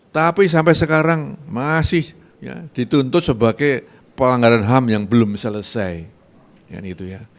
tapi sampai sekarang masih dituntut sebagai pelanggaran ham yang belum selesai